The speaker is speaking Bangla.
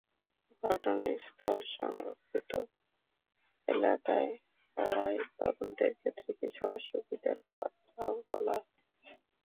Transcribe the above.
ঘটনাস্থল সংরক্ষিত এলাকায় হওয়ায় তদন্তের ক্ষেত্রে কিছু অসুবিধার কথাও বলা হয়।